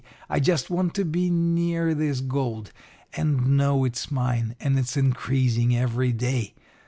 D. I just want to be near this gold, and know it's mine and it's increasing every day.